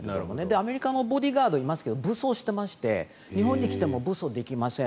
アメリカのボディーガードいますけど、武装していまして日本に来ても武装できません。